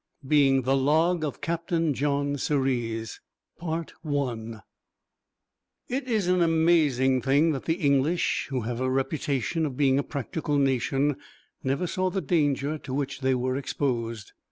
BEING THE LOG OF CAPTAIN JOHN SIRIUS It is an amazing thing that the English, who have the reputation of being a practical nation, never saw the danger to which they were exposed.